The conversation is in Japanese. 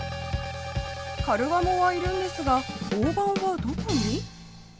カルガモはいるんですが、オオバンはどこに。